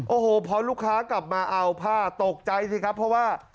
โอ้โหพอลูกค้ากลับมาเอาผ้าตกใจสิครับเพราะว่า